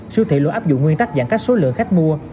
siêu thị luôn áp dụng nguyên tắc giãn cách số lượng khách mua